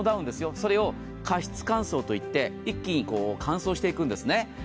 それを加湿感想といって、一気に乾燥していくんですね。